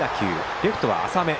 レフトは浅め。